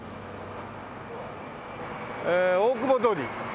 え大久保通り。